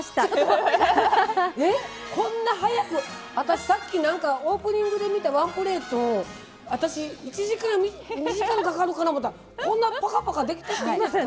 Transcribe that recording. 私さっきオープニングで見たワンプレート私１時間２時間かかるかな思ったらこんなぱかぱかできちゃっていいんですか？